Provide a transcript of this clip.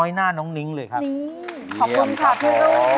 อยากแต่งานกับเธออยากแต่งานกับเธอ